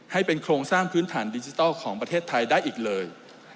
ให้เป็นโครงสร้างพื้นฐานดิจิทัลของประเทศไทยได้อีกเลย